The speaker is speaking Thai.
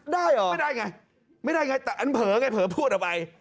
ได้หรอไม่ได้ไงแต่อันเผลอไงเผลอพูดเอาไป